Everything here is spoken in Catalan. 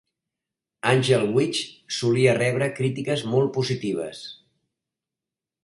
"Angel Witch" solia rebre crítiques molt positives.